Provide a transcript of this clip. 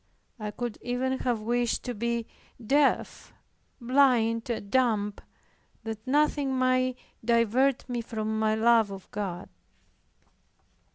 I could even have wished to be deaf, blind and dumb, that nothing might divert me from my love of God.